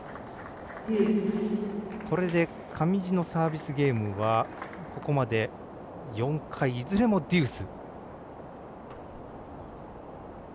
これで上地のサービスゲームはここまで４回、いずれもデュース。